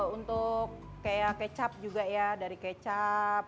untuk kayak kecap juga ya dari kecap